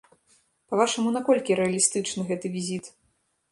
Па-вашаму, наколькі рэалістычны гэты візіт?